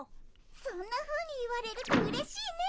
そんなふうに言われるとうれしいね。